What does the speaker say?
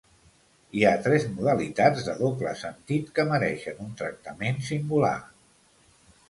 Hi ha tres modalitats de doble sentit que mereixen un tractament singular.